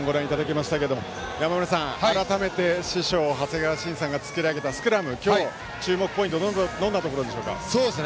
対談をご覧いただきましたが山村さん、改めて師匠・長谷川慎さんが作り上げたスクラム、今日、注目ポイントどんなところでしょうか？